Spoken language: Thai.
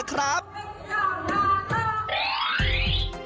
เป็นการละเล่นโบราณ